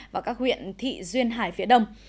và các huyện thị duyên hải phía đông